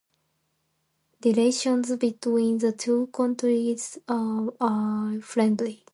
Relations between the two countries are friendly.